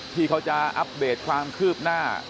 ที่เขาจะอัปเดตความคืบหน้า